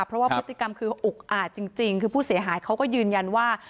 เพราะว่าพฤติกรรมคืออุกอาจจริงคือผู้เสียหายเขาก็ยืนยันว่า